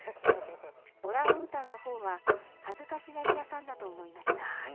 オランウータンのほうは、恥ずかしがり屋さんだと思いました。